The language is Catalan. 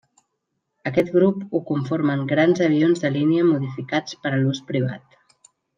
Aquest grup ho conformen grans avions de línia modificats per a l'ús privat.